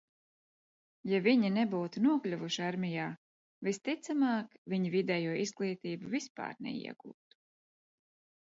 Ja viņi nebūtu nokļuvuši armijā, visticamāk, viņi vidējo izglītību vispār neiegūtu.